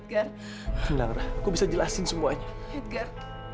gar lo harus ke kamar ratu sekarang gar